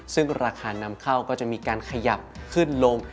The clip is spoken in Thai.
ซึ่งราคานำเข้าก็จะมีการขยับขึ้นลง